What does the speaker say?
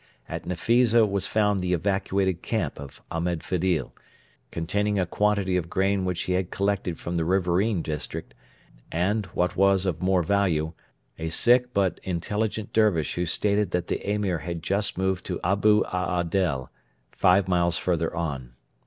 At Nefisa was found the evacuated camp of Ahmed Fedil, containing a quantity of grain which he had collected from the riverain district, and, what was of more value, a sick but intelligent Dervish who stated that the Emir had just moved to Abu Aadel, five miles further on.